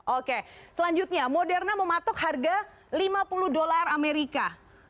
oke selanjutnya moderna mematok harga lima puluh dolar amerika